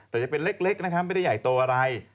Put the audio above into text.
แต่จะเป็นเล็กนะครับไม่ได้ใหญ่โตอะไร